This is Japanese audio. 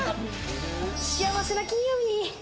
幸せな金曜日。